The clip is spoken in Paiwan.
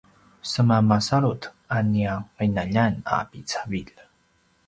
seman masalut a nia qinaljan a picavilj